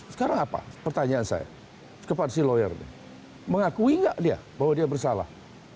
sekarang apa pertanyaan saya kepada si lawyer mengakui nggak dia bahwa dia bersalah